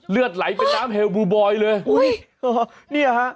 เลือดไหลไปตามเฮลล์บลูบอยเลยโอ้โฮนี่ฮะ